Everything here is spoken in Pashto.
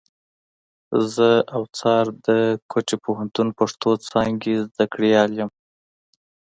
زه اوڅار د کوټي پوهنتون پښتو څانګي زدهکړيال یم.